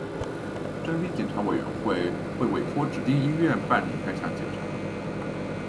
征兵检查委员会会委托指定医院办理该项检查。